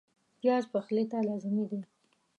پیاز پخلي ته لازمي دی